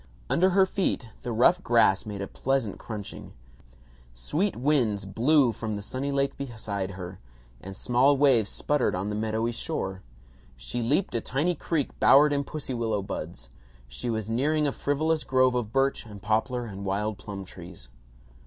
Under her feet the rough grass made a pleasant crunching. Sweet winds blew from the sunny lake beside her, and small waves sputtered on the meadowy shore. She leaped a tiny creek bowered in pussy willow buds. She was nearing a frivolous grove of birch and poplar and wild plum trees.